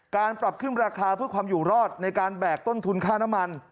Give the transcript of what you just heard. การปรับขึ้นราคาเพื่อความอยู่รอดในการแบกต้นทุนค่าน้ำมัน